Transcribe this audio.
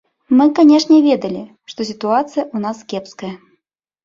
Мы, канешне, ведалі, што сітуацыя ў нас кепская.